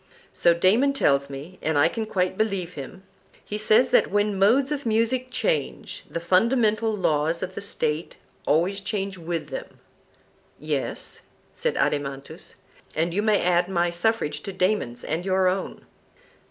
So Damon tells me, and I can quite believe him;—he says that when modes of music change, the fundamental laws of the State always change with them. Yes, said Adeimantus; and you may add my suffrage to Damon's and your own.